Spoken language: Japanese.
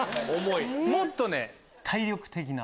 もっと体力的な。